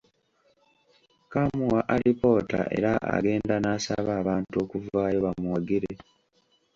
Kaamuwa alipoota era agenda n’asaba abantu okuvaayo bamuwagire.